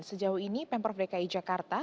sejauh ini pemprov dki jakarta